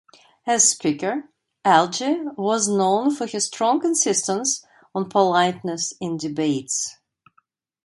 As Speaker, Algie was known for his strong insistence on politeness in debates.